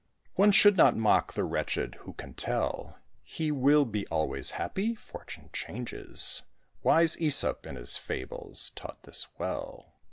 One should not mock the wretched. Who can tell He will be always happy? Fortune changes, Wise Æsop, in his fables, taught this well.